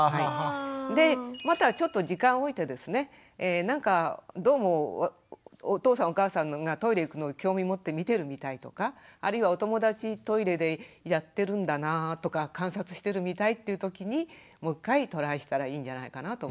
でまたちょっと時間を置いてですねなんかどうもお父さんお母さんがトイレ行くのを興味持って見てるみたいとかあるいはお友達トイレでやってるんだなぁとか観察してるみたいというときにもう一回トライしたらいいんじゃないかなと思います。